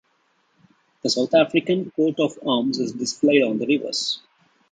The South African coat of arms is displayed on the reverse.